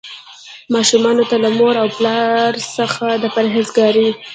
ماشومانو ته له مور او پلار څخه د پرهیزګارۍ.